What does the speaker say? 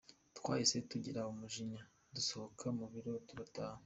Twahise tugira umujinya dusohoka mu biro turataha.